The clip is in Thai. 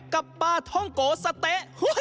กับปลาท่องโกสะเต๊ะ